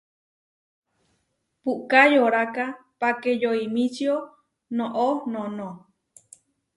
Puʼká yoráka páke yoímičio noʼó noʼnó.